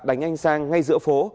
đánh anh sang ngay giữa phố